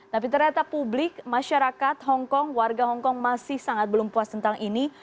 tapi ternyata publik masyarakat hongkong warga hongkong masih sangat belum puas tentang ini